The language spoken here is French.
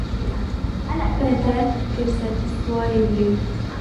Peut-être que cette histoire est vraie.